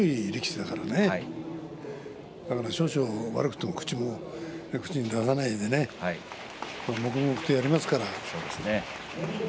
だから少々悪くても口に出さなくてね黙々とやりますから。